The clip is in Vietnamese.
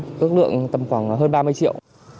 các lượng tầm khoảng hơn ba mươi triệu